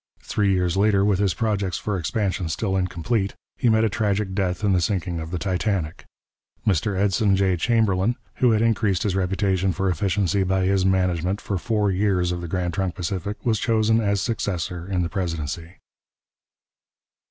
Three years later, with his projects for expansion still incomplete, he met a tragic death in the sinking of the Titanic. Mr Edson J. Chamberlin, who had increased his reputation for efficiency by his management for four years of the Grand Trunk Pacific, was chosen as successor in the presidency.